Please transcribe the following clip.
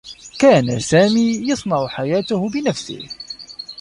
كان سامي يصنع حياته بنفسه.